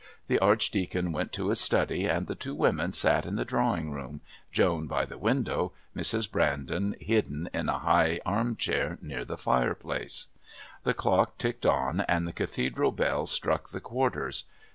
The Archdeacon went to his study, and the two women sat in the drawing room, Joan by the window, Mrs. Brandon, hidden in a high arm chair, near the fireplace. The clock ticked on and the Cathedral bells struck the quarters.